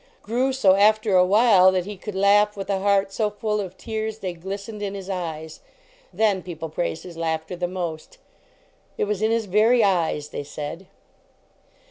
Grew so, after awhile, that he could laugh with a heart so full of tears they glistened in his eyes. Then people praised his laughter the most "it was in his very eyes," they said.